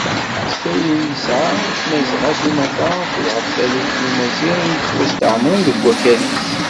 S tayri i yesɛa i Tmazɣa s umata akked ɣef taluft n Umaziɣ i yettwastɛemren deg wakal-is.